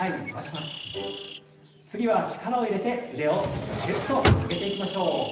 次は力を入れて腕をきゅっと曲げていきましょう。